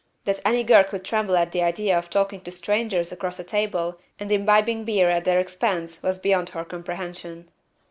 "That any girl could tremble at the idea of talking to strangers across a table and imbibing beer at their expense was beyond her comprehension."